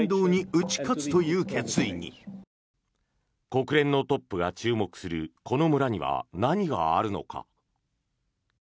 国連のトップが注目するこの村には何があるのか。